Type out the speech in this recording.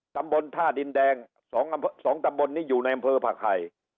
ตำบลท่าดินแดง๒ตำบลนี้อยู่ในอำเภอผักไข่